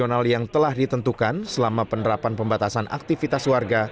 nasional yang telah ditentukan selama penerapan pembatasan aktivitas warga